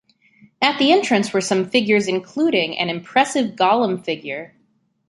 At the entrance were some figures including an impressive Gollum figure.